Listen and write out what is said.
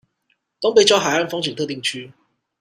東北角海岸風景特定區